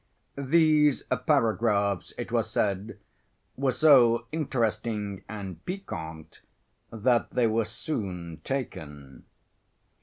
These paragraphs, it was said, were so interesting and piquant that they were soon taken.